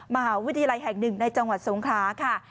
มหาวิทยาลัยแห่งหนึ่งในจังหวัดสงขลาค่ะ